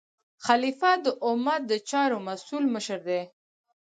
خلیفه د امت د چارو مسؤل مشر دی.